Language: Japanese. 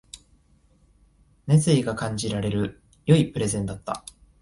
熱意が感じられる良いプレゼンだった